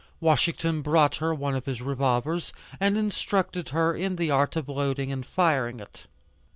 Washington brought her one of his revolvers, and instructed her in the art of loading and firing it.